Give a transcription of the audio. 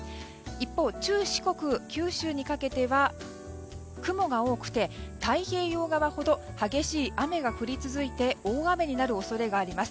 一方、中四国、九州にかけては雲が多くて太平洋側ほど激しい雨が降り続いて大雨になる恐れがあります。